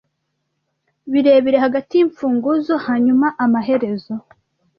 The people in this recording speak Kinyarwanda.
birebire hagati y'imfunguzo hanyuma amaherezo